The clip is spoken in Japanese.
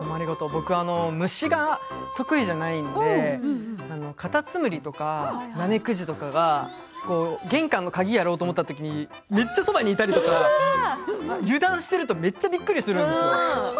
僕は虫が得意ではないのでカタツムリとかナメクジとかが玄関の鍵をやろうとしたときにめっちゃそばにいたりとか油断してると、めっちゃびっくりするんですよ。